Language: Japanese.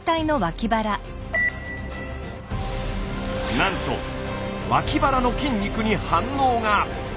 なんと脇腹の筋肉に反応が。